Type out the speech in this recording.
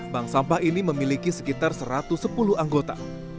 bank sampah ini memiliki sekitar satu ratus sepuluh anggota